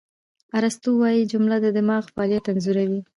ارسطو وایي، جمله د دماغ فعالیت انځوروي.